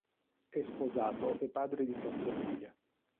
È sposato e padre di quattro figlie.